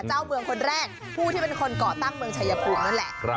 เจ้าเมืองคนแรกผู้ที่เป็นคนก่อตั้งเมืองชายภูมินั่นแหละ